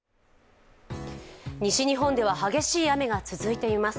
西日本では激しい雨が続いています。